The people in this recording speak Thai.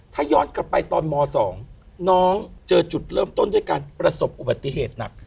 ถ้าย้อนกลับไปตอนม๒น้องเจอจุดเริ่มต้นด้วยการประสบอุบัติเหตุหนัก